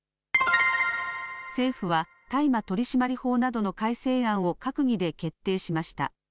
政府は大麻取締法などの改正案を閣議で決定しました。